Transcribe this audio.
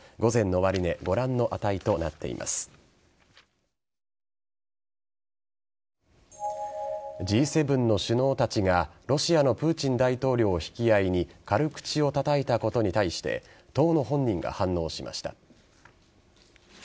Ｇ７の首脳たちがロシアのプーチン大統領を引き合いに軽口をたたいたことに対して当の本人が反応しました。